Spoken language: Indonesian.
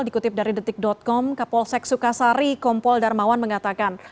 dikutip dari detik com kapolsek sukasari kompol darmawan mengatakan